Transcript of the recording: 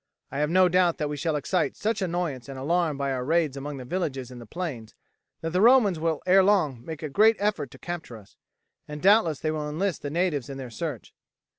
I have no doubt that we shall excite such annoyance and alarm by our raids among the villages in the plains that the Romans will ere long make a great effort to capture us, and doubtless they will enlist the natives in their search.